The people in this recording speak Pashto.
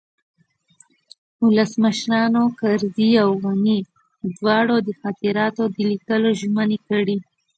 ولسمشرانو کرزي او غني دواړو د خاطراتو د لیکلو ژمني کړې